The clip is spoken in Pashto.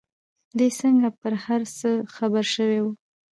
دى څنگه پر هر څه خبر سوى و.